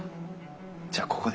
じゃあここで。